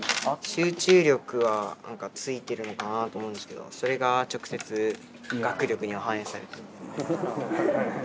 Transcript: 集中力はついてるのかなと思うんですけどそれが直接学力には反映されてない。